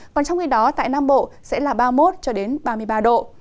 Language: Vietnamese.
còn trong khi đó tại nam bộ sẽ là ba mươi một ba mươi ba độ